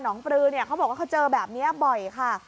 งปลือเนี่ยเขาบอกว่าเขาเจอแบบนี้บ่อยค่ะ